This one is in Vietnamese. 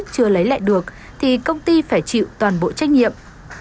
chưa lấy lại được thì công ty phải chịu toàn bộ trách nhiệm